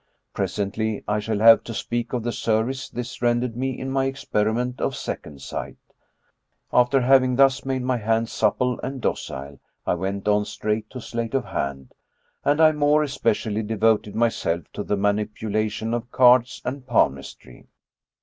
Presently I shall have to speak of the service this rendered me in my experiment of second sight After having thus made my hands supple and docile, I went on straight to sleight of hand, and I more especially devoted myself to the manipulation of cards and palmistry.